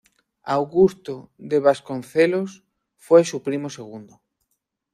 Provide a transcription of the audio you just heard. Augusto de Vasconcelos fue su primo segundo.